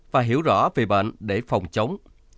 và hiểu rõ về bệnh để phòng chống